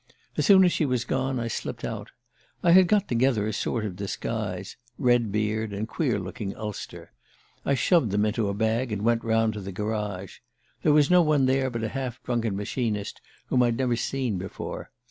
As soon as she was gone I slipped out. I had got together a sort of disguise red beard and queer looking ulster. I shoved them into a bag, and went round to the garage. There was no one there but a half drunken machinist whom I'd never seen before.